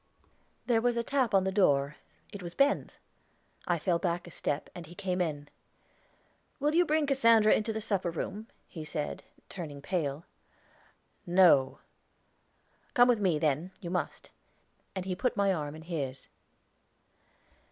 There was a tap on the door; it was Ben's. I fell back a step, and he came in. "Will you bring Cassandra to the supper room?" he said, turning pale. "No." "Come with me, then; you must." And he put my arm in his.